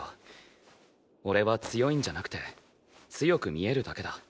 俺は強いんじゃなくて強く見えるだけだ。